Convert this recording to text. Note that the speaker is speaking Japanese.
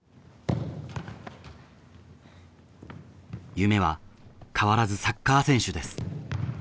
夢は変わらずサッカー選手です。